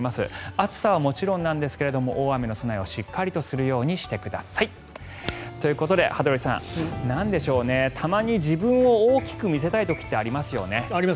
暑さはもちろんですが大雨の備えをしっかりとするようにしてください。ということで羽鳥さんなんでしょうねたまに自分を大きく見せてたい時ありますよね。